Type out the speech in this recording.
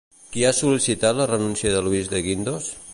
Qui ha sol·licitat la renúncia de Luis de Guindos?